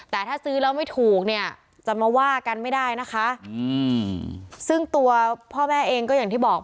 แต่ถ้าซื้อแล้วไม่ถูกเนี่ยจะมาว่ากันไม่ได้นะคะซึ่งตัวพ่อแม่เองก็อย่างที่บอก